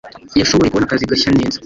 Yashoboye kubona akazi gashya neza.